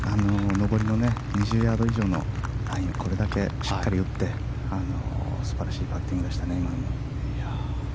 上りの２０ヤード以上のラインをこれだけしっかり打ってすばらしいパッティングでした。